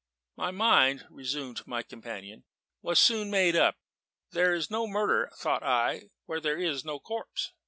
"My mind," resumed my companion, "was soon made up. There is no murder, thought I, where there is no corpse.